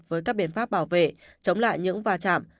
với các biện pháp bảo vệ chống lại những va chạm